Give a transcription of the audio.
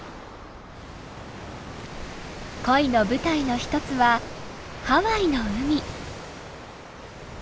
恋の舞台の一つはハワイの海。